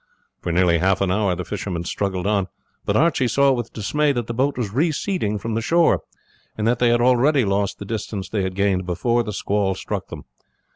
For nearly half an hour the fishermen struggled on, but Archie saw with dismay that the boat was receding from the shore, and that they had already lost the distance they had gained before the squall struck them.